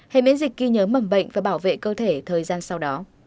hệ miễn dịch ghi nhớ mẩm bệnh và bảo vệ cơ thể thời gian sau đó